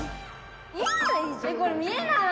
見えない！